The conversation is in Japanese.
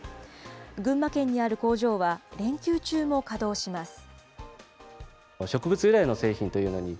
群馬県にある工場は、連休中も稼働します。